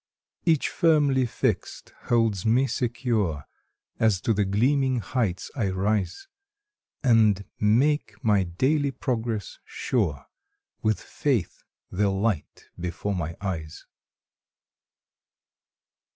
Each firmly fixed holds me secure As to the gleaming heights I rise, And makes my daily progress sure With Faith the light before my eyes.